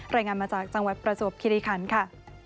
รายงานมาจากจังหวัดประจวบคิริคันค่ะ